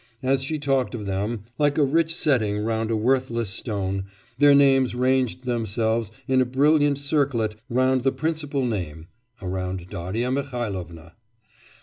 As she talked of them, like a rich setting round a worthless stone, their names ranged themselves in a brilliant circlet round the principal name around Darya Mihailovna.